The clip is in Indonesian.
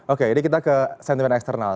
oke ini kita ke sentimen eksternal